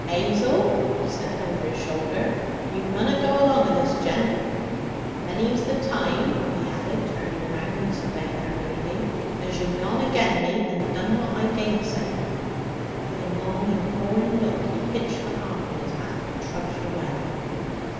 ''Azel,' he said over his shoulder, 'you munna go along of this gent. Many's the time,' he added turning round and surveying her moodily, 'as you've gone agen me and done what I gainsayed.' With a long imploring look he hitched the harp on his back and trudged away.